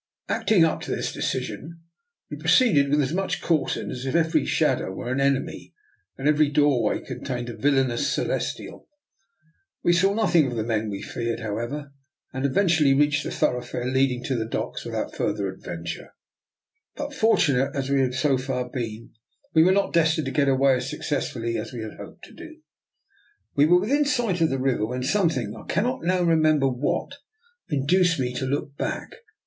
Acting up to this decision, we proceeded with as much caution as if every shadow were an enemy and every doorway contained a vil lainous Celestial. We saw nothing of the men we feared, however, and eventually reached the thoroughfare leading to the docks, without further adventure. But, for tunate as we had so far been, we were not des tined to get away as successfully as we had hoped to do. We were within sight of the river when something, I cannot now remem ber what, induced me to look back.